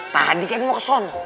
tadi kan mau ke sono